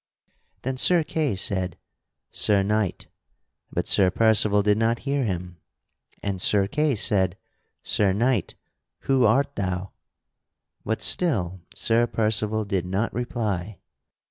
Then Sir Kay said: "Sir Knight," but Sir Percival did not hear him. And Sir Kay said: "Sir Knight, who art thou?" But still Sir Percival did not reply.